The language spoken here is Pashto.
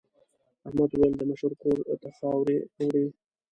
احمد وویل د مشر کور ته خاورې وړي.